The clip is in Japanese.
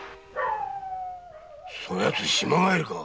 そやつ島帰りか？